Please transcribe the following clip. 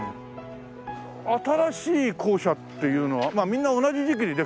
新しい校舎っていうのはみんな同じ時期にできたのかな？